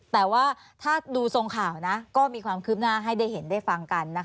แต่ว่าถ้าดูทรงข่าวนะก็มีความคืบหน้าให้ได้เห็นได้ฟังกันนะคะ